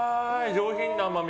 上品な甘み。